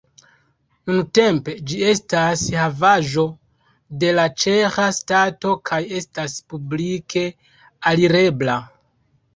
Nuntempe ĝi estas havaĵo de la ĉeĥa stato kaj estas publike alirebla.